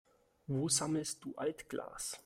Wo sammelst du Altglas?